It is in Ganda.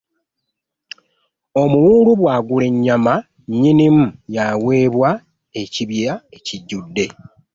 Omuwulu bwagula ennyama nnyinimu yaaweebwa ekibya ekijjudde.